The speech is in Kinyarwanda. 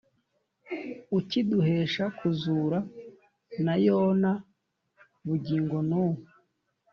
ukiduhesha kuzura na Yo na bugingo n'ubu